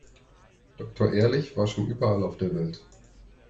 Doktor Ehrlich war schon überall auf der Welt.